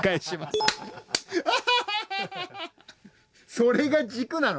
それが軸なの？